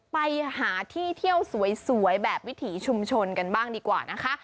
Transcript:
ไปหาที่เที่ยวสวยแบบวิถีชุมชนกันบ้างดีกว่านะคะ